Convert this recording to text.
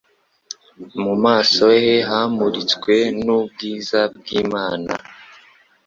Mu maso he hamuritswe n'ubwizabw'Imana,